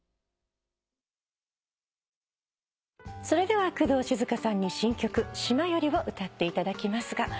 それでは工藤静香さんに新曲『島より』を歌っていただきますが。